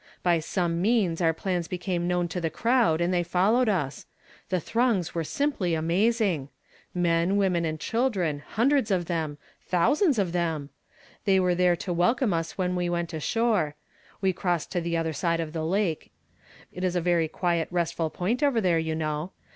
By some means our plans became known to the crowd, and they followed us. Tlie throngs were simply amazing. Men, women, and children, "CAN GOD PREPARE A TABLE?" 185 hundreds of them, thousands of them ! They were there to welcome us when we went asliore ; we crossed to the other side of the lake ; it is a very quiet, restful point over there, j^ou know.